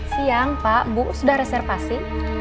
siang pak bu sudah reservasi